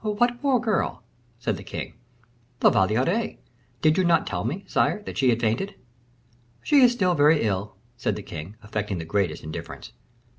"What poor girl?" said the king. "La Valliere. Did you not tell me, sire, that she had fainted?" "She is still very ill," said the king, affecting the greatest indifference.